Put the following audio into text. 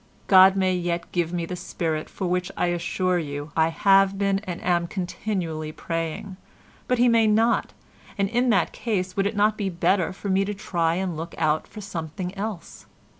God may yet give me the spirit for which I assure you I have been and am continually praying, but He may not, and in that case would it not be better for me to try and look out for something else?